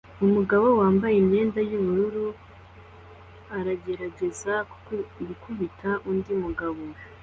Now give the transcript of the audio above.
Umugabo wambaye imyenda yubururu aragerageza gukubita undi mugabo